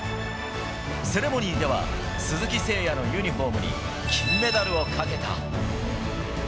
セレモニーでは、鈴木誠也のユニホームに金メダルをかけた。